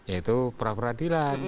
itu para peradilan